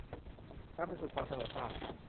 นำไปสู่ความเสมอภาค